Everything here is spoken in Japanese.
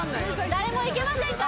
誰もいけませんか？